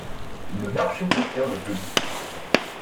Le marché se tient le jeudi.